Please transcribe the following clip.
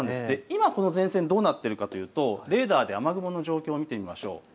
今、この前線どうなっているかというとレーダーで雨雲の状況、見てみましょう。